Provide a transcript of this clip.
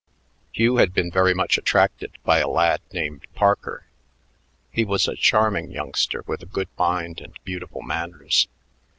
Hugh had been very much attracted by a lad named Parker. He was a charming youngster with a good mind and beautiful manners.